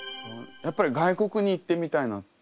やっぱり外国に行ってみたいなって。